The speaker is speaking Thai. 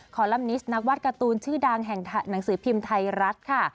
ลัมนิสนักวาดการ์ตูนชื่อดังแห่งหนังสือพิมพ์ไทยรัฐค่ะ